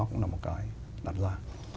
cũng là một cái đặt ra